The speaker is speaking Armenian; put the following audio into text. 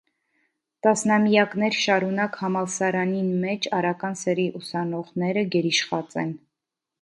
Տասնամեակներ շարունակ համալսարանին մէջ արական սեռի ուսանողները գերիշխած են։